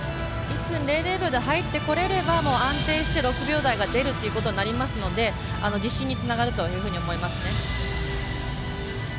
１分００秒で入ってこれれば安定して６秒台が出るということになりますので自信につながるというふうに思います。